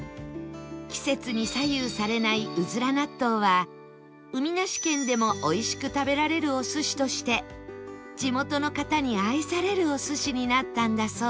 季節に左右されないうずら納豆は海なし県でもおいしく食べられるお寿司として地元の方に愛されるお寿司になったんだそう